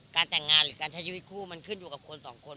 แต่งงานหรือการใช้ชีวิตคู่มันขึ้นอยู่กับคนสองคน